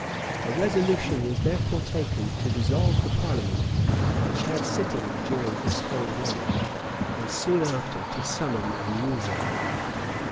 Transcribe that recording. A resolution was therefore taken to dissolve the parliament, which had sitten during this whole reign; and soon after to summon a new one.